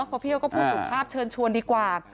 เพราะพี่เขาก็ผู้สูงภาพเชิญชวนดีกว่า